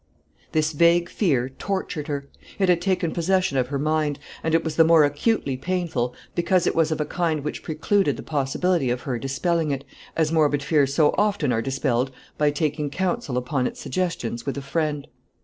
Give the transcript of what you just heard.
This vague fear tortured her; it had taken possession of her mind; and it was the more acutely painful, because it was of a kind which precluded the possibility of her dispelling it, as morbid fears so often are dispelled, by taking counsel upon its suggestions with a friend.